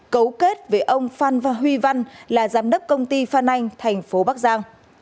cấu kết với ông phan văn huy văn là giám đốc công ty phan anh thành phố bắc giang